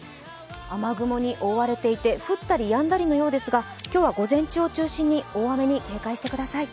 雨雲に覆われていて、降ったりやんだりのようですが今日は午前中を中心に大雨に警戒してください。